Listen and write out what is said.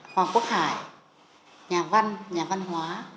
hoàng quốc hải nhà văn nhà văn hóa